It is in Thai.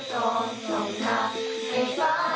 สวัสดีครับ